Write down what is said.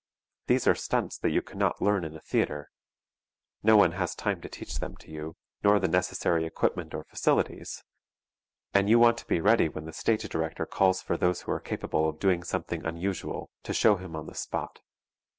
These are stunts that you cannot learn in a theatre; no one has time to teach them to you, nor the necessary equipment or facilities, and you want to be ready when the stage director calls for those who are capable of doing something unusual, to show him on the spot.